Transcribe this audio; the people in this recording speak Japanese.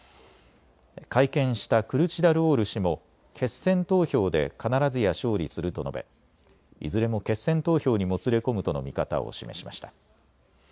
会見したクルチダルオール氏も決選投票で必ずや勝利すると述べいずれも決選投票にもつれ込むとの見方を示しました。